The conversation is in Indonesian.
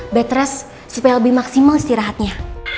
bed rest supaya lebih maksimal istirahatnya